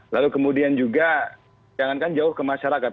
lalu kemudian juga jangankan jauh ke masyarakat